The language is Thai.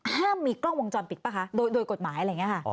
มีกล้องวงจรปิดป่ะคะโดยกฎหมายอะไรอย่างนี้ค่ะ